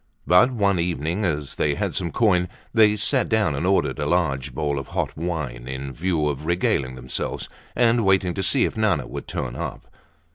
But one evening, as they had some coin, they sat down and ordered a large bowl of hot wine in view of regaling themselves and waiting to see if Nana would turn up.